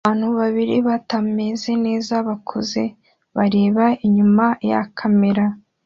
Abantu babiri batameze neza-bakuze bareba inyuma ya kamera